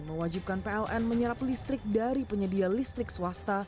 mewajibkan pln menyerap listrik dari penyedia listrik swasta